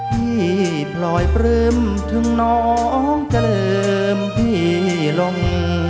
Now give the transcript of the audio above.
พี่พลอยปลื้มถึงน้องเจริญพี่ลง